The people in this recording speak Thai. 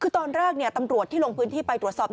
คือตอนแรกตำรวจที่ลงพื้นที่ไปตรวจสอบ